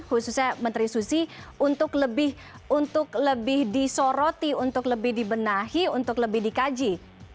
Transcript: khususnya menteri susi untuk lebih disoroti untuk lebih dibenahi untuk lebih dikaji